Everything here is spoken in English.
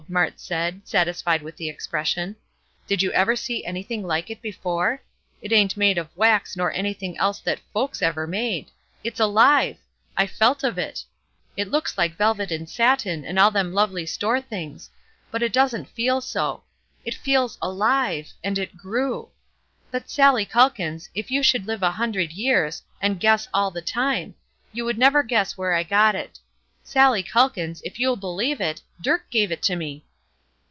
Mart said, satisfied with the expression. "Did you ever see anything like that before? It ain't made of wax nor anything else that folks ever made. It's alive! I felt of it. It looks like velvet and satin and all them lovely store things; but it doesn't feel so; it feels alive, and it grew. But, Sallie Calkins, if you should live a hundred years, and guess all the time, you never could guess where I got it. Sallie Calkins, if you'll believe it, Dirk gave it to me!"